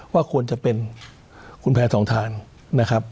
ว่าควรจะเป็นคุณแพทองทานนะครับ